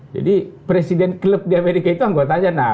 jadi presiden club di amerika itu anggotanya enam